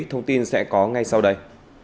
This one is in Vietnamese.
thông tin sẽ có ngay sau đây